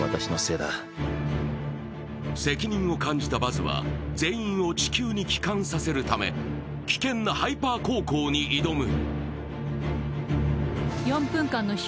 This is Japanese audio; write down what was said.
責任を感じたバズは全員を地球に帰還させるため危険なハイパー航行に挑む。